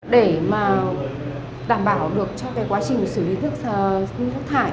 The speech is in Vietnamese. để mà đảm bảo được trong cái quá trình xử lý nước thải